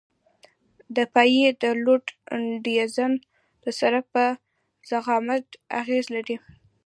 د پایې د لوډ ډیزاین د سرک په ضخامت اغیزه لري